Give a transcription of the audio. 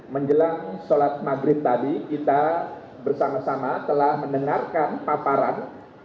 menjelang sholat maghrib tadi kita bersama sama telah mendengarkan paparan